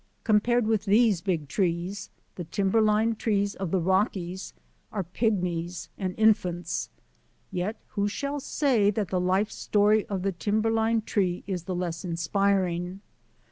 Compared with these Big Trees the timberline trees of the Rockies are pygmies and infants. Yet who shall say that the life story of the timberline tree is the less inspiring.